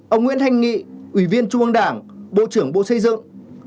một mươi một ông nguyễn thanh nghị ủy viên trung ương đảng bộ trưởng bộ xây dựng